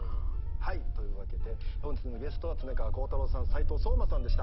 はいというわけで本日のゲストは恒川光太郎さん斉藤壮馬さんでした。